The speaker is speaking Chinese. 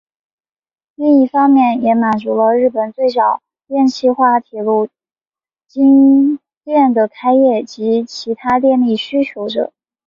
另一方面也满足了日本最早的电气化铁路京电的开业及其他电力需求者。